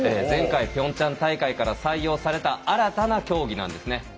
前回ピョンチャン大会から採用された新たな競技なんですね。